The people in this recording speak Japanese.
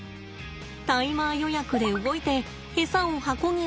タイマー予約で動いてエサを箱に落とす。